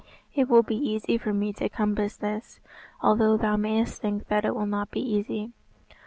"It will be easy for me to compass this, although thou mayest think that it will not be easy.